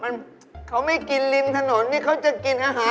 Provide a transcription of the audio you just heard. มันเขาไม่กินริมถนนนี่เขาจะกินอาหาร